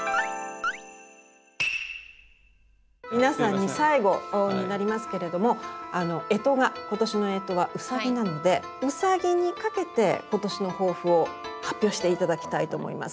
皆さんに最後になりますけれどもあの干支が今年の干支はうさぎなのでうさぎにかけて今年の抱負を発表して頂きたいと思います。